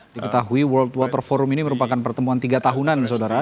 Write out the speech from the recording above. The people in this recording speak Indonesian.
diketahui world water forum ini merupakan pertemuan tiga tahunan saudara